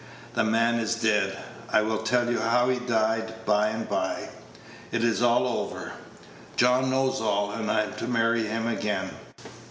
The man is dead. I will tell you how he died by and by. It is all over. John knows all; and I am to marry him again.